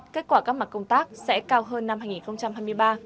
kết quả các mặt công tác sẽ cao hơn năm hai nghìn hai mươi ba